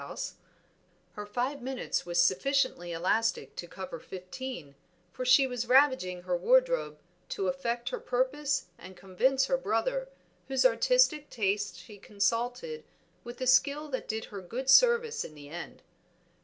Her five minutes was sufficiently elastic to cover fifteen, for she was ravaging her wardrobe to effect her purpose and convince her brother, whose artistic tastes she consulted, with a skill that did her good service in the end.